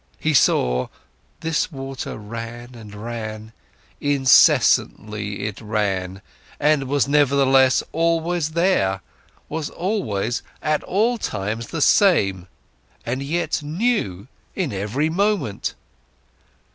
He saw: this water ran and ran, incessantly it ran, and was nevertheless always there, was always at all times the same and yet new in every moment!